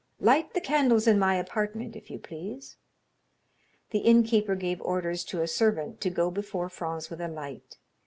Light the candles in my apartment, if you please." The innkeeper gave orders to a servant to go before Franz with a light.